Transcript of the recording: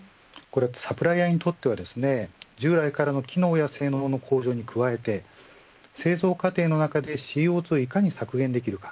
サプライヤーにとっては従来からの機能や性能の向上に加えて製造過程の中でＣＯ２をいかに削減できるか。